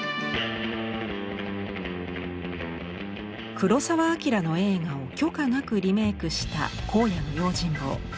黒澤明の映画を許可なくリメイクした「荒野の用心棒」。